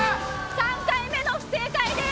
３回目の不正解です。